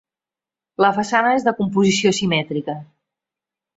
La façana és de composició simètrica.